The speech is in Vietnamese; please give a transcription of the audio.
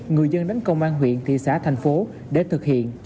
người dân đến công an huyện thị xã thành phố để thực hiện